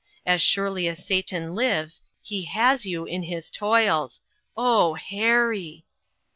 As surely as Satan lives, he has you in his toils. Oh, Harry